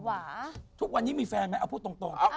วันนี้มีแฟนมั้ยเอาพูดตรง